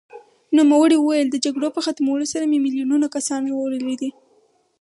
نوموړي وویل، د جګړو په ختمولو سره مې میلیونونه کسان ژغورلي دي.